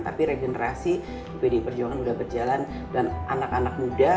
tapi regenerasi pdi perjuangan sudah berjalan dan anak anak muda